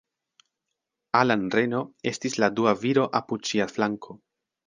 Alan Reno estis la dua viro apud ŝia flanko.